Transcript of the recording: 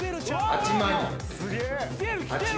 ８万円。